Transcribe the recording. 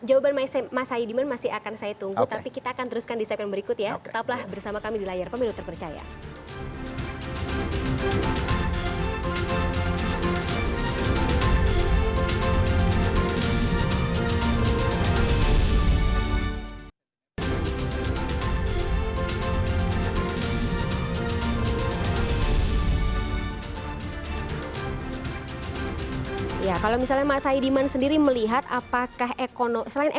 oke jawaban mas said iman masih akan saya tunggu